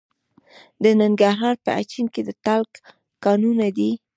د ننګرهار په اچین کې د تالک کانونه دي.